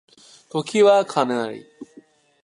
時は金なり